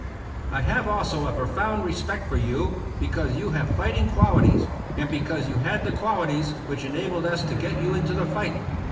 I have also a profound respect for you, because you have fighting qualities, and because you had the qualities which enabled us to get you into the fight.